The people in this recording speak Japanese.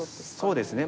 そうですね。